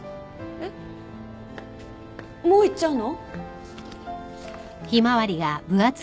えっもう行っちゃうの？